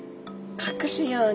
隠すように。